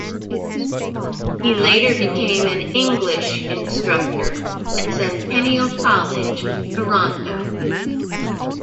He later became an English instructor at Centennial College, Toronto.